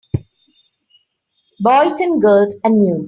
Boys and girls and music.